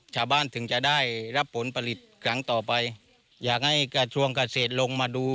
ถึงจะได้รับผลผลิตครั้งต่อไปอยากให้กระทรวงเกษตรลงมาดู